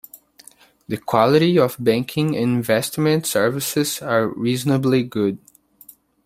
The quality of banking and investment services are reasonably good.